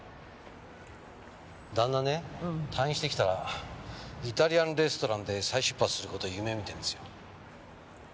旦那ね退院してきたらイタリアンレストランで再出発する事を夢見てんですよ。